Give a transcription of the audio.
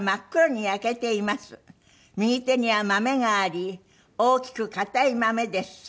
「右手にはまめがあり大きく硬いまめです」